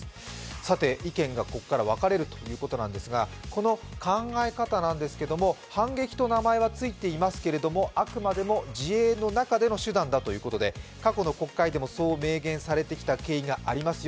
さて、意見がここから分かれるということなんですがこの考え方なんですけど、反撃と名前がついていますけどあくまでも自衛の中での手段だということで、過去の国会でもそう明言されてきた経緯がありますよ。